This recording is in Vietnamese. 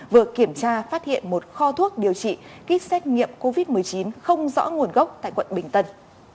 vừa kiểm tra phát hiện một kho thuốc điều trị kit xét nghiệm covid một mươi chín không rõ nguồn gốc tại quận bình tân